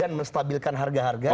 dan menstabilkan harga harga